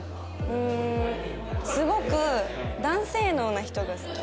うーんすごく男性脳な人が好き。